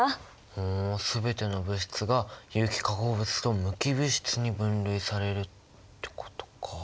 ふん全ての物質が有機化合物と無機物質に分類されるってことか。